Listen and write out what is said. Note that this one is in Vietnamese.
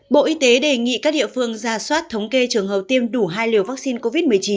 bộ y tế đề nghị các địa phương ra soát thống kê trường hợp tiêm đủ hai liều vaccine covid một mươi chín